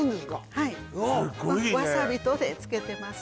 はいわさびとで漬けてます